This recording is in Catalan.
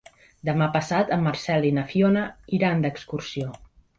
Demà passat en Marcel i na Fiona iran d'excursió.